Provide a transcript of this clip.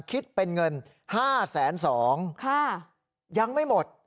คิดเป็นเงินห้าแสนสองค่ะยังไม่หมด